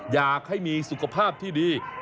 อยากให้มีสุขภาพที่ดี